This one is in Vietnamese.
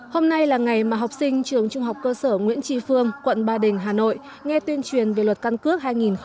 hôm nay là ngày mà học sinh trường trung học cơ sở nguyễn tri phương quận ba đình hà nội nghe tuyên truyền về luật căn cước hai nghìn hai mươi ba